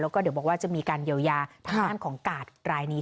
แล้วก็เดี๋ยวบอกว่าจะมีการเยียวยาทางด้านของกาดรายนี้